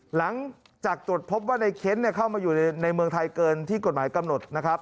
หลังจากตรวจพบว่าในเค้นเข้ามาอยู่ในเมืองไทยเกินที่กฎหมายกำหนดนะครับ